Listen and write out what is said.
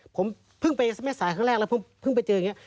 ผมเพิ่งไปแม่สายครั้งแรกแล้วเสังไปเจอยังเงี้ย